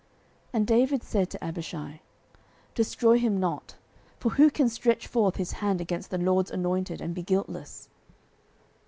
09:026:009 And David said to Abishai, Destroy him not: for who can stretch forth his hand against the LORD's anointed, and be guiltless?